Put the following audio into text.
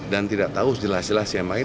dan tidak tahu jelas jelas yang lain